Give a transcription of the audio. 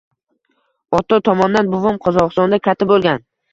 Ota tomondan buvim Qozogʻistonda katta boʻlgan.